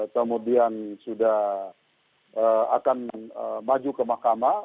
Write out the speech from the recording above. kemudian sudah akan maju ke mahkamah